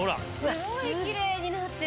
すごいキレイになってる。